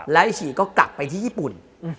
แล้วอีกทีก็กลับไปที่ญี่ปุ่น